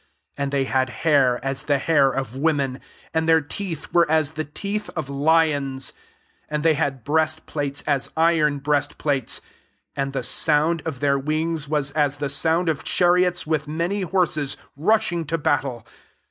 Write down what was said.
B And they had hair as the liair of women : and their teeth irere as the teeth of lions. 9 And they had breast plates as iron breast plates ; and the sound of their wings was as the sound of chariots with many horses rush mg to battle.